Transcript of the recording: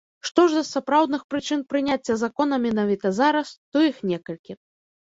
Што ж да сапраўдных прычын прыняцця закона менавіта зараз, то іх некалькі.